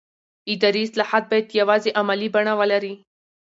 اداري اصلاحات باید یوازې عملي بڼه ولري